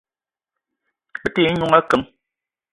Me te ye n'noung akeng.